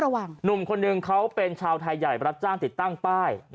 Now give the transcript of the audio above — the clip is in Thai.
หนุ่มคนหนึ่งเขาเป็นชาวไทยใหญ่รับจ้างติดตั้งป้าย